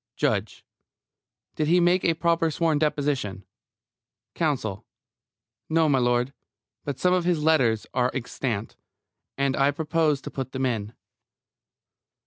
JUDGE: Did he make a proper sworn deposition? COUNSEL: No, m'lud. But some of his letters are extant, and I propose to put them in.